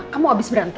kamu abis berantem